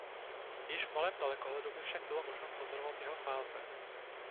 Již v malém dalekohledu by však bylo možno pozorovat jeho fáze.